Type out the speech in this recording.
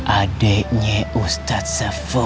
adiknya ustadz sefo